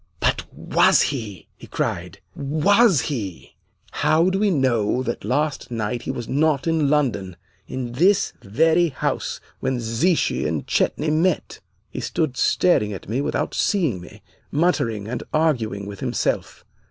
'But was he?' he cried. 'Was he? How do we know that last night he was not in London, in this very house when Zichy and Chetney met?' "He stood staring at me without seeing me, muttering, and arguing with himself.